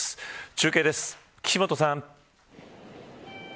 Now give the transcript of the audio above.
中継です、岸本さん。